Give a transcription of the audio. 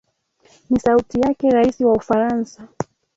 ni sauti yake rais wa ufaransa